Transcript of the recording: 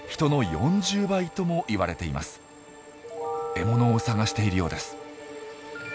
獲物を探しているようです。